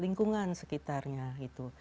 lingkungan sekitarnya gitu